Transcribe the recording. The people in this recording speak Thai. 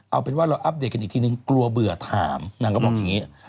เอาเป็นว่าเราอัปเดตกันอีกทีนึงกลัวเบื่อถามนางก็บอกอย่างนี้